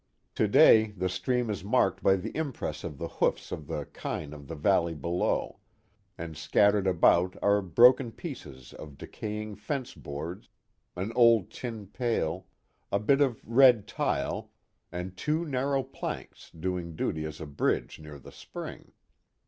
To day the stream is marked by the impress of the hoofs of the kine of the valley below, and scattered about are broken pieces of decaying fence boards, an old tin pail, a bit of red tile, and two narrow planks doing duty as a bridge near the spring.